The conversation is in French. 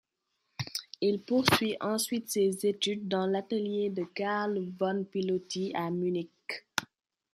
Il poursuit ensuite ses études dans l'atelier de Karl von Piloty à Munich.